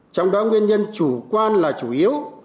trong đó nguyên nhân chủ quan là chủ yếu